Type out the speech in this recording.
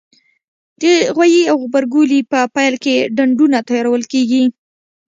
د غويي او غبرګولي په پیل کې ډنډونه تیارول کېږي.